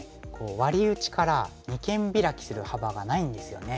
ワリ打ちから二間ビラキする幅がないんですよね。